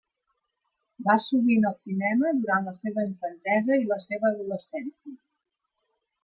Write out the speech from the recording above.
Va sovint al cinema durant la seva infantesa i la seva adolescència.